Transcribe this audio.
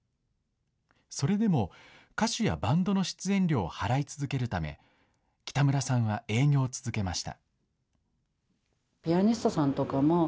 それでも、歌手やバンドの出演料を払い続けるため、北村さんは営業を続けました。